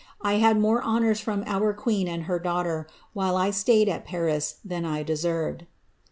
1 had more honours from our queen and her daughter, while I staid at fvis^ than I deserved."